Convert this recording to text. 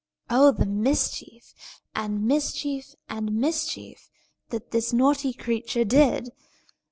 Oh, the mischief, and mischief, and mischief that this naughty creature did!